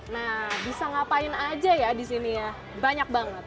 nah bisa ngapain aja ya di sini ya banyak banget